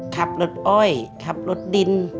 ขับรถอ้อยขับรถดิน